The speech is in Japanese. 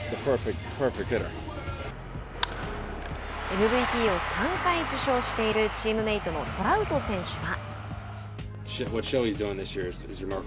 ＭＶＰを３回受賞しているチームメートのトラウト選手は。